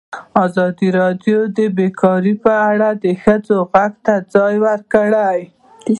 ازادي راډیو د بیکاري په اړه د ښځو غږ ته ځای ورکړی.